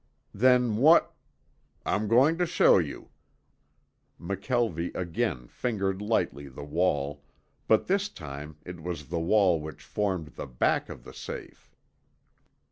"Then what ?" "I'm going to show you." McKelvie again fingered lightly the wall, but this time it was the wall which formed the back of the safe.